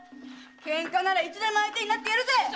喧嘩ならいつでも相手になってやるぜ！